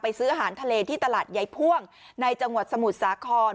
ซื้ออาหารทะเลที่ตลาดยายพ่วงในจังหวัดสมุทรสาคร